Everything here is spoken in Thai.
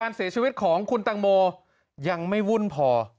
เสียชีวิตของคุณตังโมยังไม่วุ่นพอ